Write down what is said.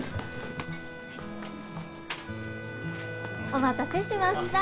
お待たせしました。